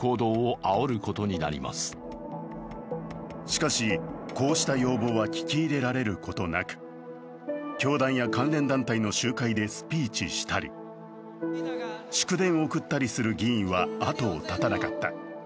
しかし、こうした要望は聞き入れられることなく、教団や関連団体の集会でスピーチをしたり、祝電を送ったりする議員は後を絶たなかった。